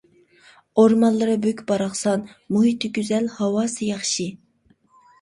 ئورمانلىرى بۈك-باراقسان، مۇھىتى گۈزەل، ھاۋاسى ياخشى.